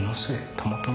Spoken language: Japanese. たまたま？」